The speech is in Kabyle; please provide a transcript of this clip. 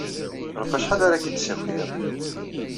Ɣef wacḥal ara k-id-ssakiɣ?